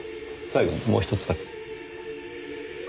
最後にもうひとつだけ。